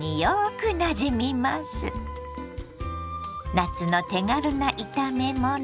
夏の手軽な炒めもの。